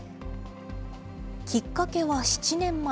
きっかけは７年前。